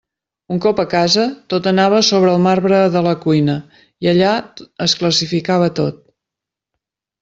Un cop a casa, tot anava a sobre el marbre de la cuina, i allà es classificava tot.